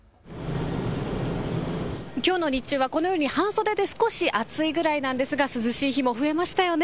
きょうの日中はこのように半袖で少し暑いくらいなんですが涼しい日も増えましたよね。